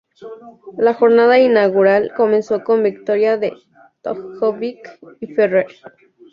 La jornada inaugural comenzó con victoria de Djokovic y Ferrer.